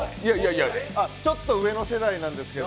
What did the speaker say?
ちょっと上の世代なんですけど。